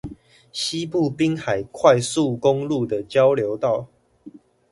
西部濱海快速公路的交流道